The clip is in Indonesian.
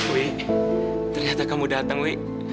wih ternyata kamu datang wi